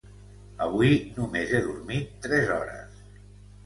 Avui només he dormit tres hores.